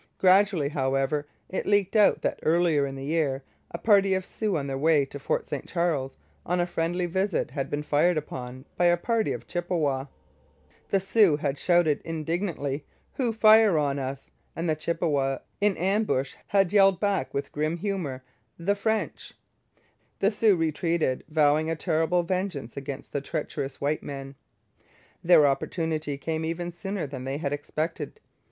Gradually, however, it leaked out that earlier in the year a party of Sioux on their way to Fort St Charles on a friendly visit had been fired upon by a party of Chippewas. The Sioux had shouted indignantly, 'Who fire on us?' and the Chippewas, in ambush, had yelled back with grim humour, 'The French.' The Sioux retreated, vowing a terrible vengeance against the treacherous white men. Their opportunity came even sooner than they had expected.